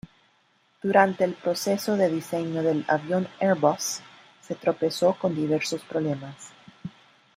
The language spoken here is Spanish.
Durante el proceso de diseño del avión Airbus se tropezó con diversos problemas.